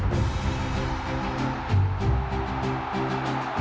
แล้วก็กำหนดทิศทางของวงการฟุตบอลในอนาคต